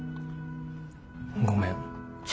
ごめん。